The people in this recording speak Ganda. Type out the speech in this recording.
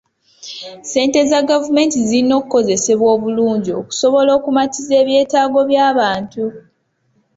Ssente za gavumenti zirina okukozesebwa obulungi okusobola okumatiza ebyetaago by'abantu